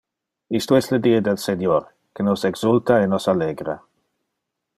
Isto es le die del Senior: que nos exulta e nos allegra!